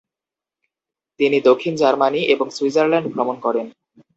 তিনি দক্ষিণ জার্মানি এবং সুইজারল্যান্ড ভ্রমণ করেন।